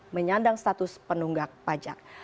menyandang status penunggak pajak